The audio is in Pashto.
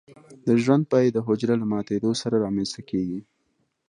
د ژوند پای د حجره له ماتیدو سره رامینځته کیږي.